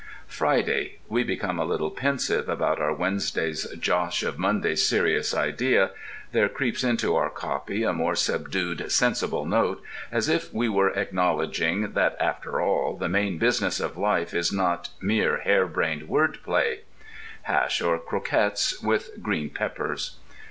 FRIDAY. We become a little pensive about our Wednesday's josh of Monday's serious idea—there creeps into our copy a more subdued, sensible note, as if we were acknowledging that after all, the main business of life is not mere harebrained word play. (HASH OR CROQUETTES WITH GREEN PEPPERS.)